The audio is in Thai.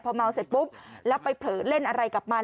พอเมาเสร็จปุ๊บแล้วไปเผลอเล่นอะไรกับมัน